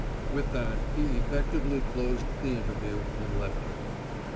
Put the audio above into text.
With that, he effectively closed the interview and left her.